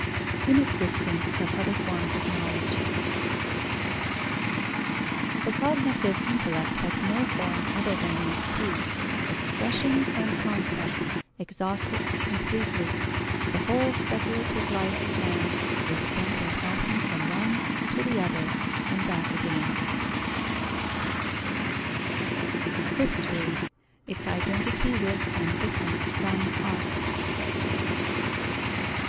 Inexistence of other forms of knowledge. The cognitive intellect has no form other than these two. Expression and concept exhaust it completely. The whole speculative life of man is spent in passing from one to the other and back again. _History. Its identity with and difference from art.